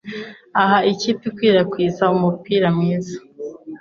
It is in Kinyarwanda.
aha ikipe ikwirakwiza umupira mwiza